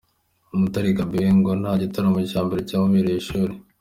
Umutare Gabi we ngo igitaramo cya mbere cyamubereye ishuri.